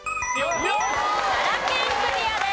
奈良県クリアです。